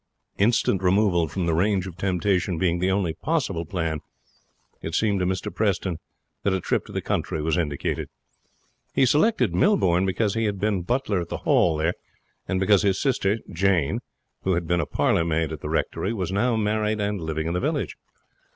Instant removal from the range of temptation being the only possible plan, it seemed to Mr Preston that a trip to the country was indicated. He selected Millbourne because he had been butler at the Hall there, and because his sister Jane, who had been a parlour maid at the Rectory, was now married and living in the village.